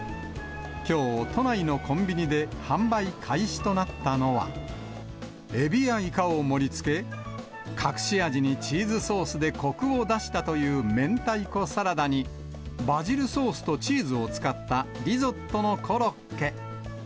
きょう、都内のコンビニで販売開始となったのは、エビやイカを盛りつけ、隠し味にチーズソースでこくを出したという明太子サラダに、バジルソースとチーズを使ったリゾットのコロッケ。